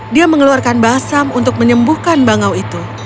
dia mengeluarkan basam untuk menyembuhkan bangau itu